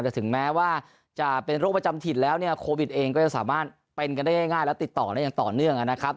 แต่ถึงแม้ว่าจะเป็นโรคประจำถิ่นแล้วเนี่ยโควิดเองก็จะสามารถเป็นกันได้ง่ายและติดต่อได้อย่างต่อเนื่องนะครับ